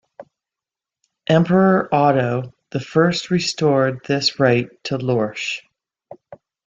Emperor Otto the First restored this right to Lorsch.